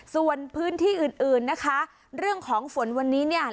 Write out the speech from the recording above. ส่วนพื้นที่อื่นอื่นนะคะเรื่องของฝนวันนี้เนี่ย